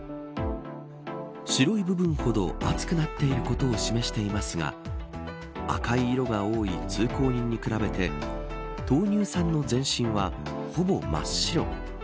白い部分ほど暑くなっていることを示していますが赤い色が多い通行人に比べて豆乳さんの全身は、ほぼ真っ白。